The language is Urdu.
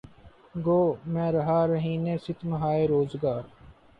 گو میں رہا رہینِ ستمہائے روزگار